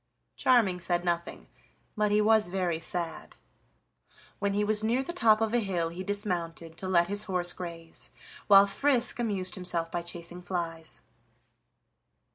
Charming said nothing, but he was very sad. When he was near the top of a hill he dismounted to let his horse graze, while Frisk amused himself by chasing flies.